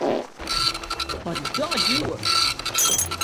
Wat is dat djoer!